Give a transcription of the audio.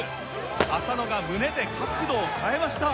浅野が胸で角度を変えました。